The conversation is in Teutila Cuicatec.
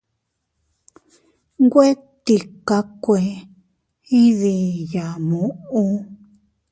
Nwe tikakue iydiya muʼu.